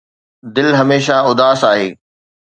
دل هميشه اداس آهي